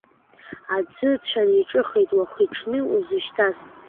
Аӡы ыцәаны иҿыхеит, уахи-ҽни узышьҭаз.